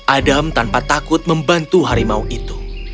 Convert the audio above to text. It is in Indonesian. adam tanpa takut membantu harimau itu